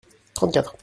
Trente-quatre.